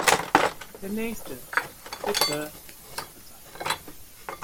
Der Nächste, bitte!